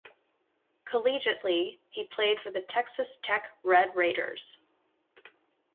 Collegiately, he played for the Texas Tech Red Raiders.